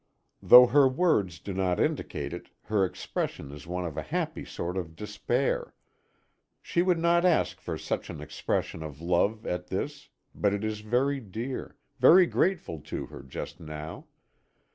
Though her words do not indicate it, her expression is one of a happy sort of despair. She would not ask for such an expression of love as this, but it is very dear, very grateful to her, just now.